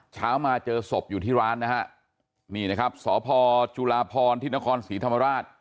เช้ามาเจอศพอยู่ที่ร้านนะฮะนี่นะครับสพจุลาพรที่นครศรีธรรมราช